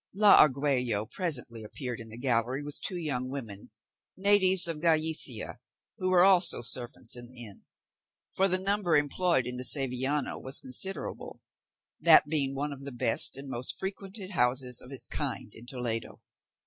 La Argüello presently appeared in the gallery with two young women, natives of Gallicia, who were also servants in the inn; for the number employed in the Sevillano was considerable, that being one of the best and most frequented houses of its kind in Toledo.